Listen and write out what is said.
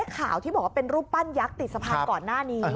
ข่าวที่บอกว่าเป็นรูปปั้นยักษ์ติดสะพานก่อนหน้านี้